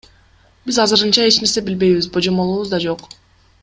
Биз азырынча эч нерсе билбейбиз, божомолубуз да жок.